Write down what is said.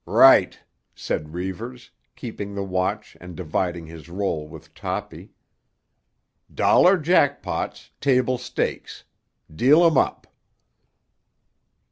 "Right," said Reivers, keeping the watch and dividing his roll with Toppy. "Dollar jack pots, table stakes. Deal 'em up."